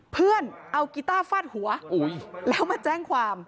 เพื่อนเอากีต้าฟาดหัวแล้วมาแจ้งความ